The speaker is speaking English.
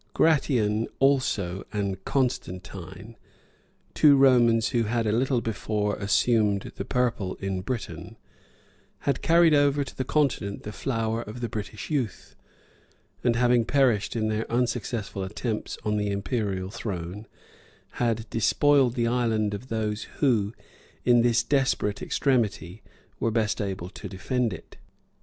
Gratian also and Constantine, two Romans who had a little before assumed the purple in Britain, had carried over to the continent the flower of the British youth; and having perished in their unsuccessful attempts on the imperial throne, had despoiled the island of those who, in this desperate extremity, were best able to defend it.